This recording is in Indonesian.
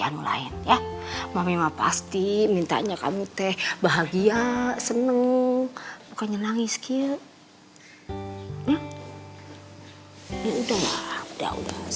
anu lain ya memang pasti mintanya kamu teh bahagia seneng bukannya nangis kia